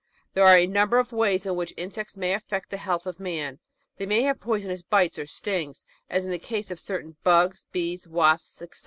There are a number of ways in which insects may affect the health of man. They may have poisonous bites or stings, as in the case of certain Bugs, Bees, Wasps, etc.